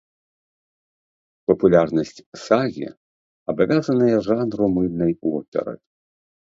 Папулярнасць сагі абавязаная жанру мыльнай оперы.